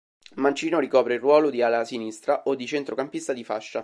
Mancino, ricopre il ruolo di ala sinistra o di centrocampista di fascia.